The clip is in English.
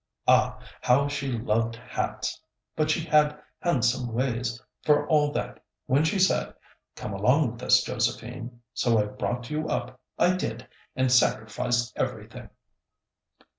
Ah, how she loved hats! But she had handsome ways, for all that, when she said, 'Come along with us, Josephine!' So I brought you up, I did, and sacrificed everything...."